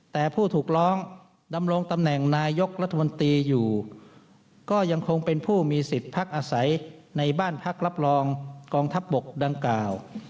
แต่ผู้ถูกร้องดำรงตำแหน่งนายกรัฐมนตรีอยู่ก็ยังคงเป็นผู้มีสิทธิ์พักอาศัยในบ้านพักรับรองกองทัพบกดังกล่าว